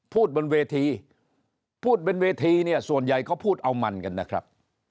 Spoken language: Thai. บนเวทีพูดบนเวทีเนี่ยส่วนใหญ่เขาพูดเอามันกันนะครับ